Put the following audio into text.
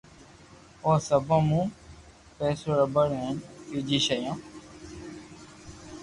او ݾيوين مون پيسلو رٻڙ ھين ٻجي ݾيون